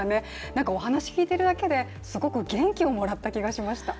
なんかお話を聞いているだけですごく元気をもらった気がしました。